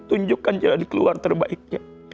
tunjukkan jalan keluar terbaiknya